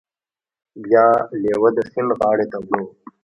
بیا لیوه د سیند غاړې ته وړو.